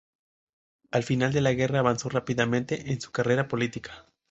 Al final de la guerra, avanzó rápidamente en su carrera política.